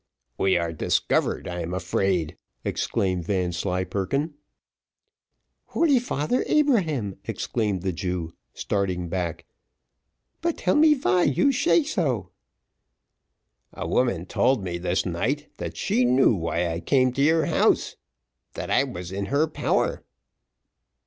"We are discovered, I'm afraid!" exclaimed Vanslyperken. "Holy father Abraham!" exclaimed the Jew, starting back. "But tell me vy you shay sho." "A woman told me this night that she knew why I came to your house that I was in her power."